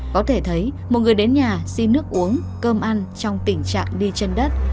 có thể thấy một người đến nhà xin nước uống cơm ăn trong tình trạng đi chân đất